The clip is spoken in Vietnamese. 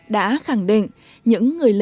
đã khẳng định